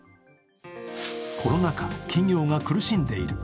コロナ禍、企業が苦しんでいる。